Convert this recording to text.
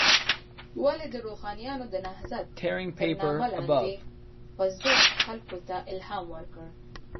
ولې د روښانیانو د نهضت تر نامه لاندې خوځښت خلکو ته الهام ورکړ.